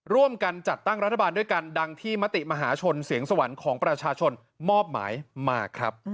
ร่วมกันจัดตั้งรัฐบาลด้วยกันดังที่มติมหาชนเสียงสวรรค์ของประชาชนมอบหมายมาครับ